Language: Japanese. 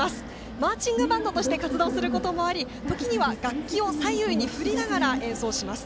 マーチングバンドとして活動することもあり時には楽器を左右に振りながら演奏します。